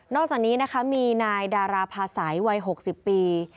จากนี้นะคะมีนายดาราภาษัยวัย๖๐ปี